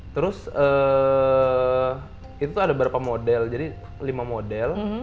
terus itu ada berapa model jadi lima model